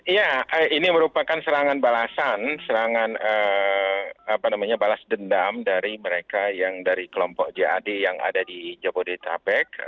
ya ini merupakan serangan balasan serangan balas dendam dari mereka yang dari kelompok jad yang ada di jabodetabek